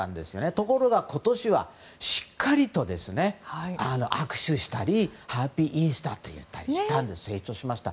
ところが今年はしっかりと握手したりハッピーイースターと言ったりして成長しました。